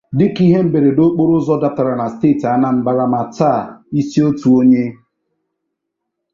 dịka ihe mberede okporo ụzọ dapụtara na steeti Anambra ma taa isi otu onye